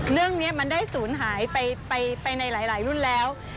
เรื่องนี้มันได้ศูนย์หายไปในหลายรุ่นแล้ว